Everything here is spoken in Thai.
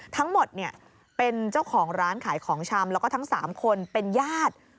ทั้งหมดเป็นเจ้าของร้านขายของชำแล้วก็ทั้ง๓คนเป็นญาติ